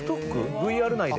ＶＲ内で？